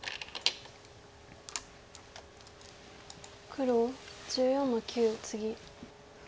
黒１４の九ツギ。